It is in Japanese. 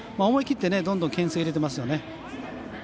思い切って、どんどんけん制入れてますよね。